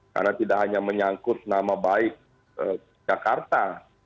karena tidak hanya menyangkut nama baik jakarta